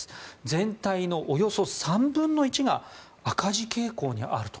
全体のおよそ３分の１が赤字傾向にあると。